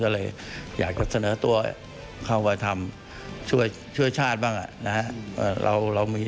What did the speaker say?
ก็เลยอยากจะเสนอตัวเข้ามาทำช่วยชาติบ้างนะฮะ